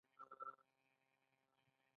دا د تقاضا د زیاتوالي هم تابع ګڼل کیږي.